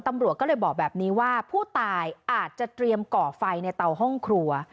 ตำรวจก็เลยบอกแบบนี้ว่าผู้ตายอาจจะเตรียมก่อไฟในเตาห้องครัว